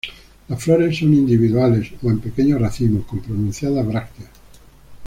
Las flores son individuales o en pequeños racimos con pronunciadas brácteas.